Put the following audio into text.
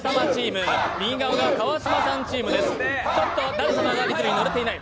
舘様がリズムに乗れていない。